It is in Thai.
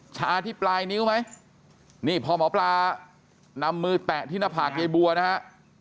ชาที่ปลายนิ้วไหมนี่พอหมอปลานำมือแตะที่หน้าผากยายบัวนะฮะ